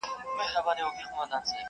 کله د طاووس په رنګینیو پټېدلای سې .!